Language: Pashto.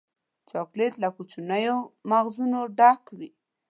چاکلېټ له کوچنیو مغزونو ډک وي.